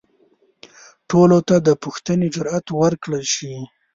ټولو ته د پوښتنې جرئت ورکړل شي.